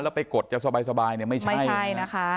แล้วไปกดจะสบายไม่ใช่